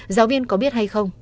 giáo viên có biết hay không